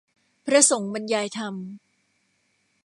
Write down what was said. พระสงฆ์บรรยายธรรม